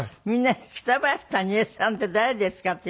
みんなに北林谷栄さんって誰ですか？